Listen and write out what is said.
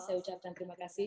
saya ucapkan terima kasih